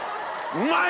うまい！